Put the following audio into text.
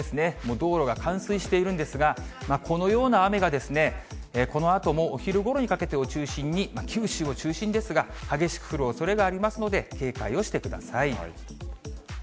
道路が冠水しているんですが、このような雨がこのあともお昼ごろにかけてを中心に、九州を中心にですが、激しく降るおそれがありますので、警戒をしてください。